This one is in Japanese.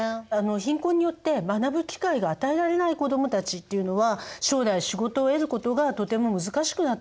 貧困によって学ぶ機会が与えられない子どもたちっていうのは将来仕事を得ることがとても難しくなってしまう。